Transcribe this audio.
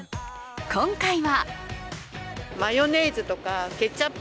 今回は。